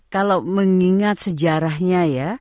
kalau mengingat sejarahnya ya